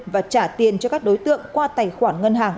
và trả tiền cho các đối tượng qua tài khoản ngân hàng